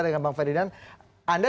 dengan bang ferdinand